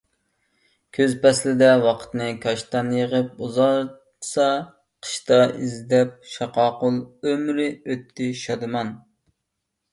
كۈز پەسلىدە ۋاقتىنى كاشتان يىغىپ ئۇزارتسا، قىشتا ئىزدەپ شاقاقۇل ئۆمرى ئۆتتى شادىمان.